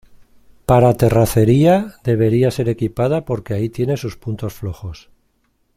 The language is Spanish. Para terracería debería ser equipada porque ahí tiene sus puntos flojos.